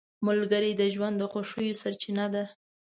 ملګری د ژوند د خوښیو سرچینه ده